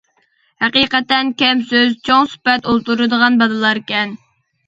ھەقىقەتەن كەم سۆز، چوڭ سۈپەت ئولتۇرىدىغان بالىلاركەن.